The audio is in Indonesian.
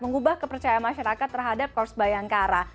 mengubah kepercayaan masyarakat terhadap korps bayangkara